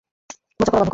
মজা করা বন্ধ কর।